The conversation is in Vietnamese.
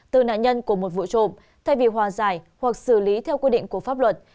từ nạn nhân của một vụ trộm thay vì hòa giải hoặc xử lý theo quy định của pháp luật